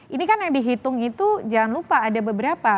ini kan yang dihitung itu jangan lupa ada beberapa